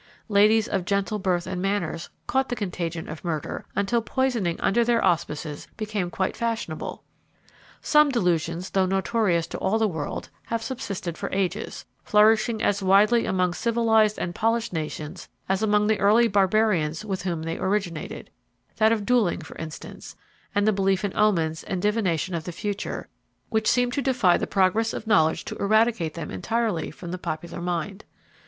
Ladies of gentle birth and manners caught the contagion of murder, until poisoning, under their auspices, became quite fashionable. Some delusions, though notorious to all the world, have subsisted for ages, flourishing as widely among civilised and polished nations as among the early barbarians with whom they originated, that of duelling, for instance, and the belief in omens and divination of the future, which seem to defy the progress of knowledge to eradicate them entirely from the popular mind.